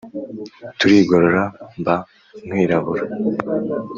Turigorora mba nkwirabura